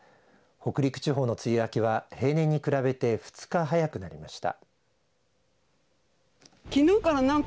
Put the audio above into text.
北陸地方の梅雨明けは平年に比べて２日早くなりました。